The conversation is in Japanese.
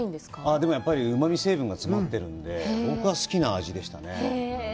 でも、やっぱりうまみ成分が詰まってるので、僕は好きな味でしたね。